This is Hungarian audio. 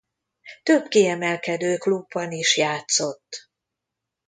Több kiemelkedő klubban is játszott.